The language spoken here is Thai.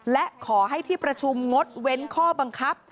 และขอให้ที่ประชุมงดเว้นข้อบังคับ